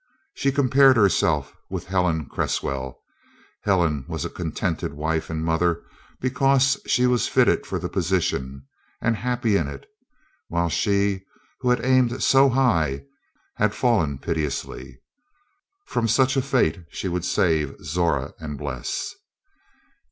She compared herself with Helen Cresswell. Helen was a contented wife and mother because she was fitted for the position, and happy in it; while she who had aimed so high had fallen piteously. From such a fate she would save Zora and Bles.